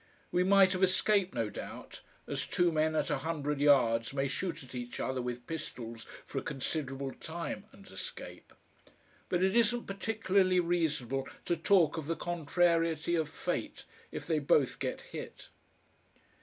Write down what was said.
We might have escaped no doubt, as two men at a hundred yards may shoot at each other with pistols for a considerable time and escape. But it isn't particularly reasonable to talk of the contrariety of fate if they both get hit.